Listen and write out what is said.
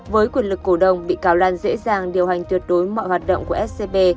với quyền lực cổ đông bị cáo lan dễ dàng điều hành tuyệt đối mọi hoạt động của scb